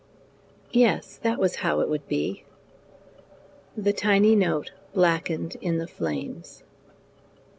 Yes, that was how it would be. The tiny note blackened in the flames.